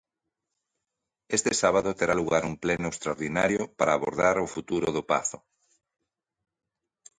Este sábado terá lugar un pleno extraordinario para abordar o futuro do Pazo.